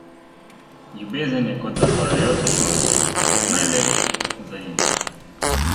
Ljubezen je kot zahajajoče sonce; ko je najlepše, zaide.